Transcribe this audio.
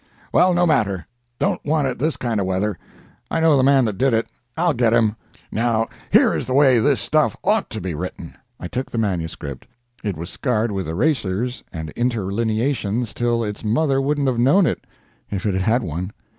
"Well, no matter don't want it this kind of weather. I know the man that did it. I'll get him. Now, here is the way this stuff ought to be written." I took the manuscript. It was scarred with erasures and interlineations till its mother wouldn't have known it if it had had one.